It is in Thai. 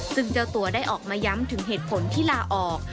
ซึ่งเจ้าตัวได้ออกมาย้ำถึงเหตุผลที่ลาออก